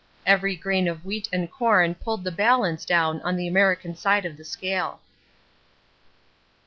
Every grain of wheat and corn pulled the balance down on the American side of the scale.